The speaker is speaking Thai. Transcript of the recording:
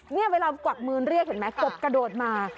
นี่เวลากวักมือเรียกเห็นไหมกบกระโดดมา